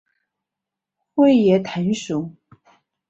穗叶藤属。